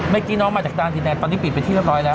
เมื่อกี้น้องมาจากด้านดินแดงตอนนี้ปิดไปที่ละร้อยแล้ว